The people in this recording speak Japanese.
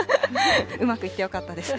うまくいってよかったです。